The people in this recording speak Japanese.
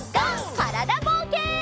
からだぼうけん。